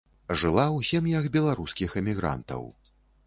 Жыла ў сем'ях беларускіх эмігрантаў.